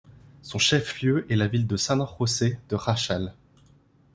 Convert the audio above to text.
Son chef-lieu est la ville de San José de Jáchal.